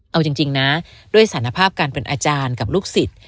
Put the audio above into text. เอาจริงนะด้วยสารภาพการเป็นอาจารย์กับลูกศิษย์